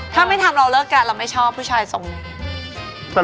ถ้าไม่ทำเราเลิกกันเราไม่ชอบผู้ชายทรงนี้